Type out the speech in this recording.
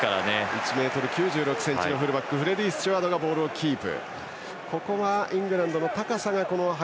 １ｍ９６ｃｍのフレディー・スチュワードがボールをキープ。